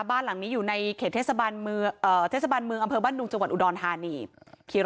ว่ามีชนิดหลายบางโลกที่หมูให้ได้